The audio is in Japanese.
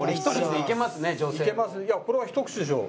いやこれはひと口でしょ。